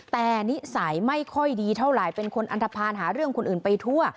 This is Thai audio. แต่นิสัยไม่ค่อยดีเท่าไหร่เป็นคนอันทภาณหาเรื่องคนอื่นไปทั่ว